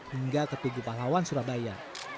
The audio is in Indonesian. hingga ke tugu pahlawan surabaya